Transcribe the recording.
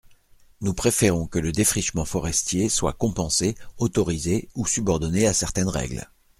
Nous préférons que le défrichement forestier soit compensé, autorisé, ou subordonné à certaines règles.